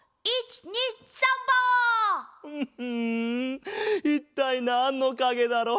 んいったいなんのかげだろう？